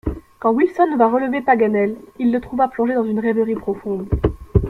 Quand Wilson vint relever Paganel, il le trouva plongé dans une rêverie profonde.